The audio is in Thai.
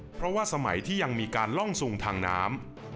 เพราะว่าสมัยที่ยังมีการล่องซุงทางน้ำ